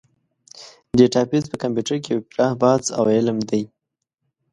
ډیټابیس په کمپیوټر کې یو پراخ بحث او علم دی.